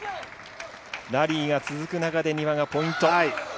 ラリーが続く中で、丹羽がポイント。